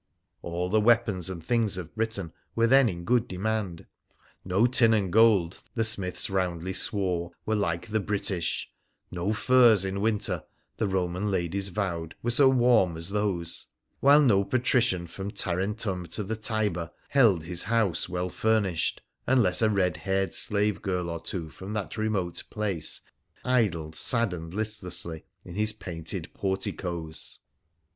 All the weapons and things of Britain were then in good demand : no tin and gold, the smiths roundly swore, were like the British ; no furs in winter, the Boman ladies vowed, were so warm as those ; while no patrician from Tarentum to the Tiber held his house well furnished unless a red haired slave girl or two from that remote place idled sad and listlessly in his painted porticoes.